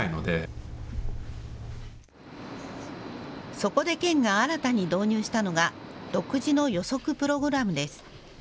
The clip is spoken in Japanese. そこで、県が新たに導入したのが独自の予測プログラムです。